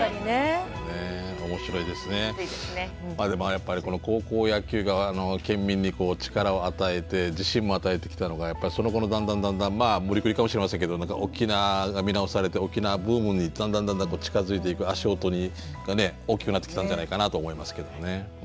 やっぱりこの高校野球が県民に力を与えて自信も与えてきたのがその後のだんだんだんだんまあ無理くりかもしれませんけど沖縄が見直されて沖縄ブームにだんだんだんだん近づいていく足音が大きくなってきたんじゃないかなと思いますけどもね。